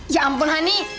ya ampun hani